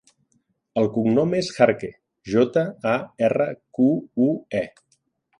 El cognom és Jarque: jota, a, erra, cu, u, e.